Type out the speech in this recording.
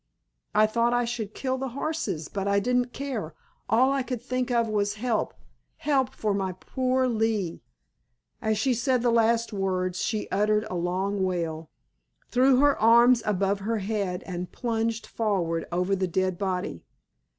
I thought I should kill the horses, but I didn't care, all I could think of was help—help for my poor Lee!" As she said the last words she uttered a long wail, threw her arms above her head and plunged forward over the dead body.